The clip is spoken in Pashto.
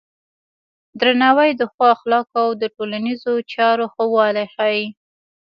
درناوی د ښو اخلاقو او د ټولنیزو چارو ښه والی ښيي.